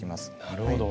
なるほど。